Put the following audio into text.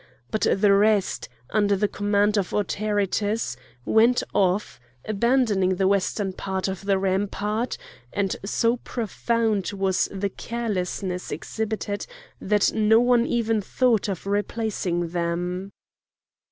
But the rest, under the command of Autaritus, went off, abandoning the western part of the rampart, and so profound was the carelessness exhibited that no one even thought of replacing them.